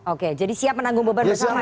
oke jadi siap menanggung beban bersama ya